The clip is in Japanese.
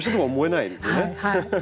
はい。